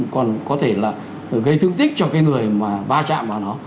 còn có thể là gây thương tích cho cái người mà va chạm vào nó